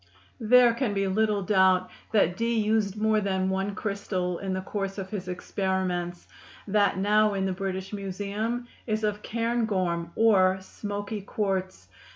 There can be little doubt that Dee used more than one crystal in the course of his experiments; that now in the British Museum is of cairngorm, or "smoky quartz."